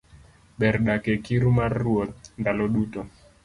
Ber dak e kiru mar Ruoth ndalo duto